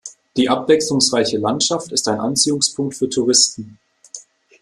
Die abwechslungsreiche Landschaft ist ein Anziehungspunkt für Touristen.